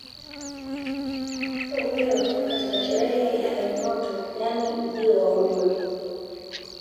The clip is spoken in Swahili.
Ikifikia upeo katika sherehe ya eunoto yaani ujio wa umri